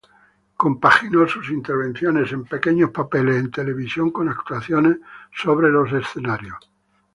Compaginó sus intervenciones en pequeños papeles en televisión con actuaciones sobre los escenarios.